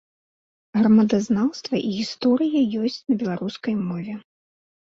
Грамадазнаўства і гісторыя ёсць на беларускай мове.